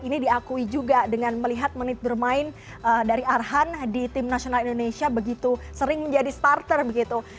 ini diakui juga dengan melihat menit bermain dari arhan di tim nasional indonesia begitu sering menjadi starter begitu